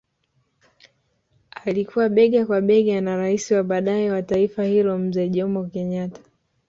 Alikuwa bega kwa bega na rais wa baadae wa taifa hilo mzee Jomo Kenyatta